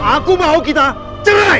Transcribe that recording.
aku mau kita cerai